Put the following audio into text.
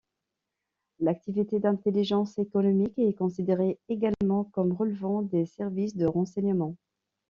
L'activité d'intelligence économique est considérée également comme relevant des services de renseignement.